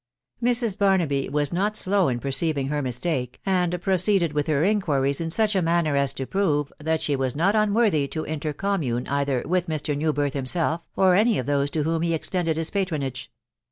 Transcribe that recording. Mrs. Barnaby was not slow in perceiving her mistake, and proceeded with her inquiries in such a manner as to prove that she was not unworthy to intercommune either with Mr. Newbirth himself, or any of those to whom he extended his patronage.